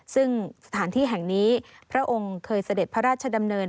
ซึ่งสถานที่แห่งนี้พระองค์เคยเสด็จพระราชดำเนิน